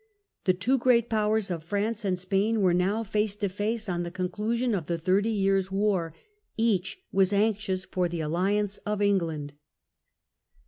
The two great powers of France and Spain were now face to face on the conclusion of the Thirty Years War; each was anxious for the alliance of England.